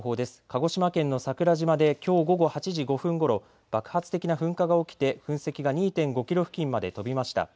鹿児島県の桜島できょう午後８時５分ごろ爆発的な噴火が起きて噴石が２．５キロ付近まで飛びました。